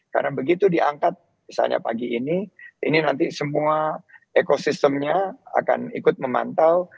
karena begitu diangkat misalnya pagi ini ini nanti semua ekosistemnya akan ikut memantau